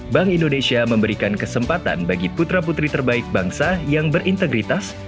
bank indonesia memberikan kesempatan bagi putra putri terbaik bangsa yang berintegritas